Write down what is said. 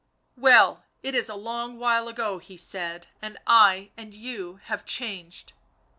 " Well, it is a long while ago," he said. " And I and you have changed."